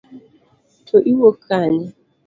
To iwuok kanye?